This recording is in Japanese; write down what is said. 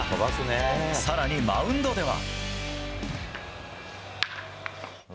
更に、マウンドでは。